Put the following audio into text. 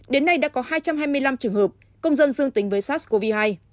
đến nay đã có hai trăm hai mươi năm trường hợp công dân dương tính với sars cov hai